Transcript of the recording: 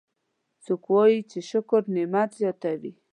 څوک وایي چې شکر نعمت زیاتوي